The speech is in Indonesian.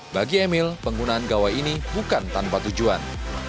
bagi emil penggunaan gawai ini bukan tanpa tujuan